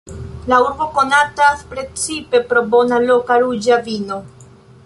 La urbo konatas precipe pro bona loka ruĝa vino.